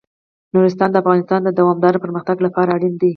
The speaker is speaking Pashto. نورستان د افغانستان د دوامداره پرمختګ لپاره اړین دي.